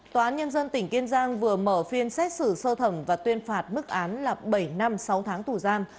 tòa án nhân dân tỉnh kiên giang vừa mở phiên xét xử sơ thẩm và tuyên phạt mức án là bảy năm sáu tháng tù giam